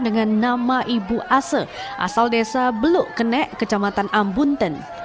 dengan nama ibu ase asal desa belukene kecamatan ambunten